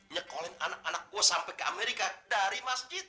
nyekolin anak anak gue sampai ke amerika dari masjid